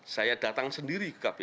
saya datang sendiri ke kpk